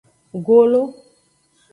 Golo.